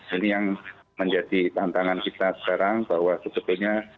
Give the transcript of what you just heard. ini yang menjadi tantangan kita sekarang bahwa sebetulnya